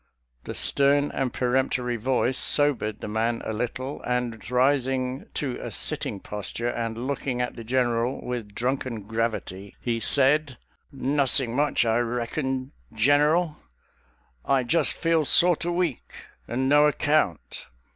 " The stern and peremptory voice sobered the man a little, and rising to a sitting posture and looking at the General with drunken gravity, he said, " Nossin' much, I reckon. General — I just feel sorter weak and no account."